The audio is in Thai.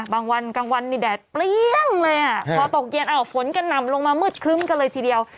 บางวันกลางวันนี่แดดเปรี้ยงเลยอ่ะพอตกเย็นอ้าวฝนกระหน่ำลงมามืดครึ้มกันเลยทีเดียว